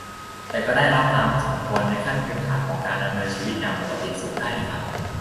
แต่ก็ได้รับตามสมควรในขั้นพื้นฐานของการดำเนินชีวิตอย่างปกติสุขได้นะครับ